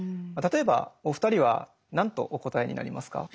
例えばお二人は何とお答えになりますか？